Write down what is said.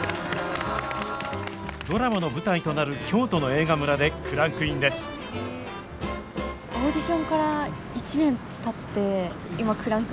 ドラマの舞台となる京都の映画村でクランクインですあかん。